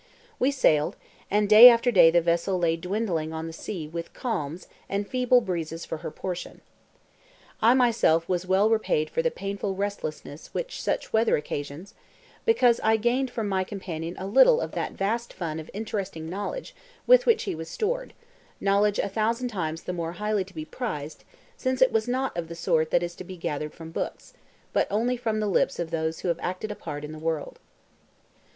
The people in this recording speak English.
We sailed, and day after day the vessel lay dawdling on the sea with calms and feeble breezes for her portion. I myself was well repaid for the painful restlessness which such weather occasions, because I gained from my companion a little of that vast fund of interesting knowledge with which he was stored, knowledge a thousand times the more highly to be prized since it was not of the sort that is to be gathered from books, but only from the lips of those who have acted a part in the world.